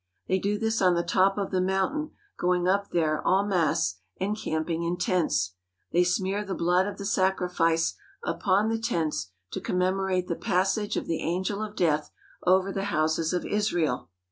They do this on the top of the mountain, going up there en masse and camping in tents. They smear the blood of the sacrifice upon the tents to commemorate the pas sage of the angel of death over the houses of Israel.